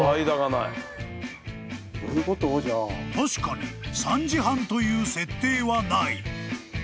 ［確かに３時半という設定はない］